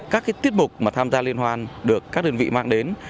các tiết mục mà tham gia liên hoan được các đơn vị mang đến